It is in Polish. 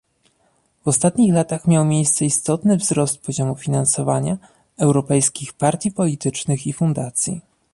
W ostatnich latach miał miejsce istotny wzrost poziomu finansowania europejskich partii politycznych i fundacji